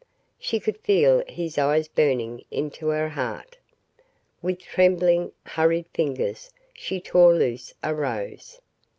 She could feel his eyes burning into her heart. With trembling, hurried fingers she tore loose a rose.